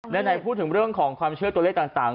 ไหนพูดถึงเรื่องของความเชื่อตัวเลขต่าง